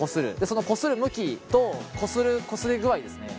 そのこする向きとこするこすり具合ですね。